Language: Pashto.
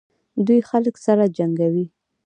دوی خلک سره جنګوي.